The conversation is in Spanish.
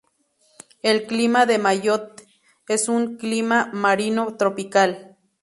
El clima de Mayotte es un clima marino tropical.